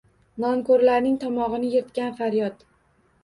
Nonkoʼrlarning tomogʼini yirtgan faryod